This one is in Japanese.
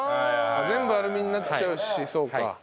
全部アルミになっちゃうしそうか。